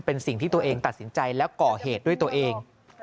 เป็นสิ่งที่ตัวเองตัดสินใจและก่อเหตุด้วยตัวเอง